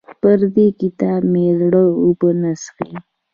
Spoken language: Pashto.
پر دې کتاب مې زړه اوبه نه څښي.